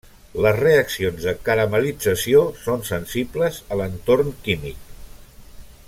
Les reaccions de caramel·lització són sensibles a l'entorn químic.